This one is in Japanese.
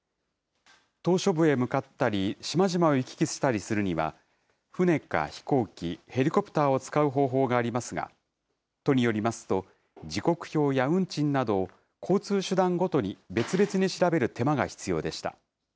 島しょ部へ向かったり、島々を行き来したりするには、船か飛行機、ヘリコプターを使う方法がありますが、都によりますと、時刻表や運賃など、交通手段ごとに別々に調べる手間が必要でした。